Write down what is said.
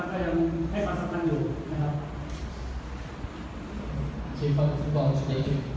เมืองในบ้านของเราเอง